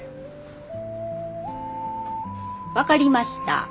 分かりました。